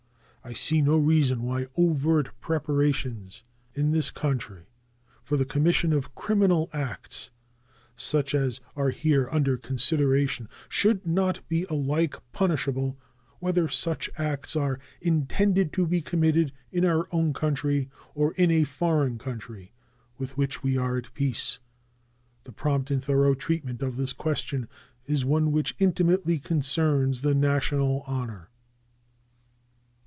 I see no reason why overt preparations in this country for the commission of criminal acts such as are here under consideration should not be alike punishable whether such acts are intended to be committed in our own country or in a foreign country with which we are at peace. The prompt and thorough treatment of this question is one which intimately concerns the national honor.